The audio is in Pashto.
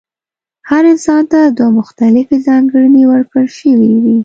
هر انسان ته دوه مختلفې ځانګړنې ورکړل شوې دي.